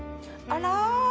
あら！